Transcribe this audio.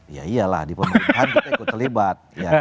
ya iyalah di pemerintahan kita ikut terlibat